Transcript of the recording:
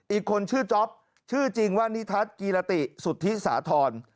อีกคนชื่อจ๊อปชื่อจริงว่านิทัศน์กีรติสุธิสาธรณ์